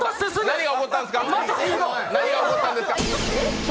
何が起こったんですか？